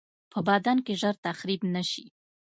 په بدن کې ژر تخریب نشي.